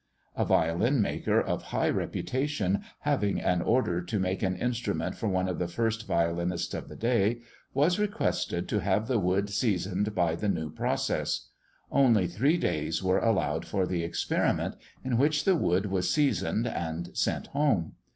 A violin maker of high reputation, having an order to make an instrument for one of the first violinists of the day, was requested to have the wood seasoned by the new process; only three days were allowed for the experiment, in which the wood was seasoned and sent home.